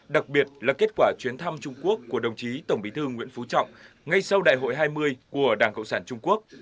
đặc biệt là kết quả chuyến thăm trung quốc của đồng chí tổng bí thư nguyễn phú trọng ngay sau đại hội hai mươi của đảng cộng sản trung quốc